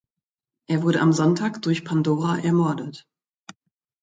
Er wurde am Sonntag durch Pandora ermordet.